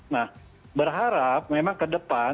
nah berharap memang ke depan